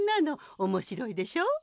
おもしろいでしょ？